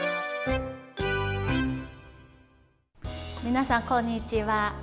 皆さん、こんにちは。